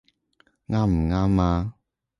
啱唔啱呀？